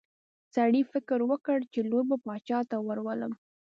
سړي فکر وکړ چې لور به باچا ته ورولم.